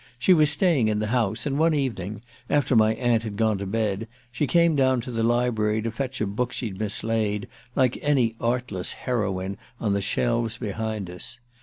She was staying in the house, and one evening, after my aunt had gone to bed, she came down to the library to fetch a book she'd mislaid, like any artless heroine on the shelves behind us.